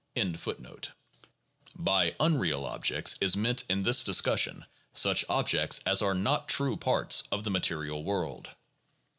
1 By unreal objects is meant in this discussion such objects as are not true parts of the material world.